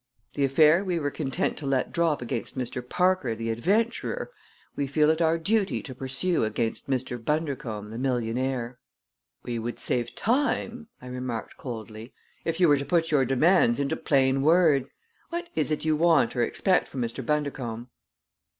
The affair we were content to let drop against Mr. Parker, the adventurer, we feel it our duty to pursue against Mr. Bundercombe, the millionaire." "We would save time," I remarked coldly, "if you were to put your demands into plain words. What is it you want or expect from Mr. Bundercombe?"